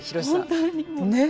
本当にもう。ねえ。